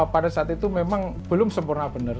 pada saat itu memang belum sempurna benar